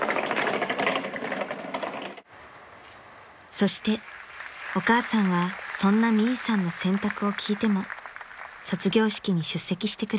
［そしてお母さんはそんなミイさんの選択を聞いても卒業式に出席してくれました］